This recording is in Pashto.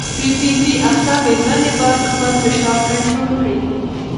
پي پي پي اخته مېرمنې باید خپل فشار کنټرول کړي.